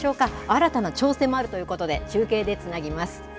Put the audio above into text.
新たな挑戦もあるということで、中継でつなぎます。